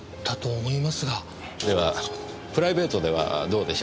ではプライベートではどうでしょう？